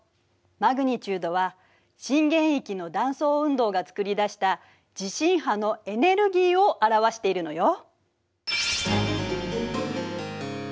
マグニチュードは震源域の断層運動が作り出した地震波のエネルギーを表しているのよ。